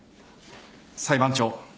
裁判長。